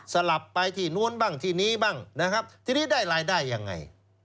สลับไปที่นู้นบ้างที่นี้บ้างนะครับทีนี้ได้รายได้ยังไง